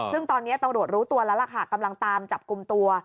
ฮึงตอนนี้ตัวโหลดรู้ตัวแล้วแหล่ะค่ะกำลังตามจับกลุ้มตัว